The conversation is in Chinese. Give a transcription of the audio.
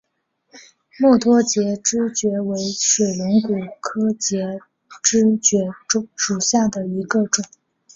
墨脱节肢蕨为水龙骨科节肢蕨属下的一个种。